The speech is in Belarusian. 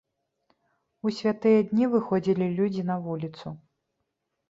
У святыя дні выходзілі людзі на вуліцу.